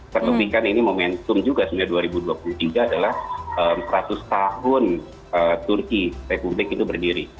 terlebih kan ini momentum juga sebenarnya dua ribu dua puluh tiga adalah seratus tahun turki republik itu berdiri